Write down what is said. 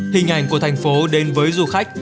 hình ảnh của thành phố đến với du khách